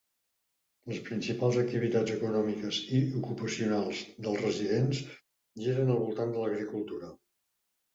Les principals activitats econòmiques i ocupacionals dels residents giren al voltant de l'agricultura.